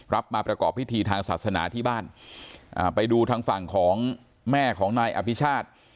มาประกอบพิธีทางศาสนาที่บ้านอ่าไปดูทางฝั่งของแม่ของนายอภิชาติ